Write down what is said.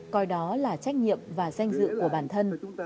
coi đó là trách nhiệm và danh dự của bản thân